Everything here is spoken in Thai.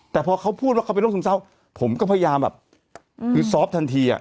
แต่พอเขาพูดว่าเขาเป็นโรคซึมเศร้าผมก็พยายามแบบคือซอฟต์ทันที